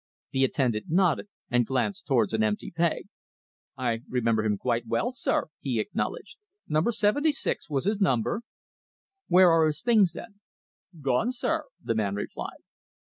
The attendant nodded and glanced towards an empty peg. "I remember him quite well, sir," he acknowledged. "Number sixty seven was his number." "Where are his things, then?" "Gone, sir," the man replied.